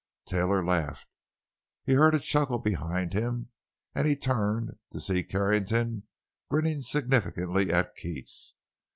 Taylor laughed. He heard a chuckle behind him, and he turned, to see Carrington grinning significantly at Keats.